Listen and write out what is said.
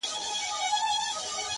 خو دوی ويله چي تر ټولو مسلمان ښه دی _